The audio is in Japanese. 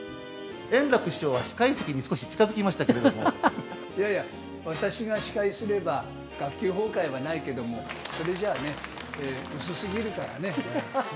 円楽師匠は司会席に少し近づいやいや、私が司会すれば学級崩壊はないけども、それじゃあね、薄すぎるからね。